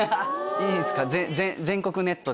いいんすか？